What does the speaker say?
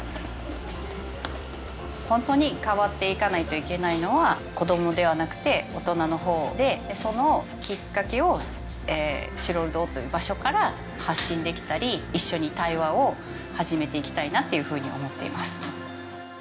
ホントに変わっていかないといけないのは子供ではなくて大人の方でそのきっかけをチロル堂という場所から発信できたり一緒に対話を始めていきたいなっていうふうに思っています